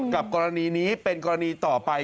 กรณีนี้เป็นกรณีต่อไป